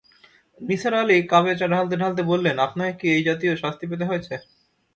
নিসার আলি কাপে চা ঢালতে-ঢালতে বললেন, আপনাকে কি এই জাতীয় শাস্তি পেতে হয়েছে?